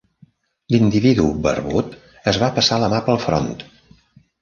L'individu barbut es va passar la mà pel front.